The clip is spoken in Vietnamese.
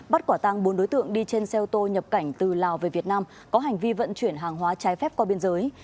bắt quả tăng bốn đối tượng đi trên xe ô tô nhập cảnh từ lào về việt nam có hành vi vận chuyển hàng hóa trái phép qua biên giới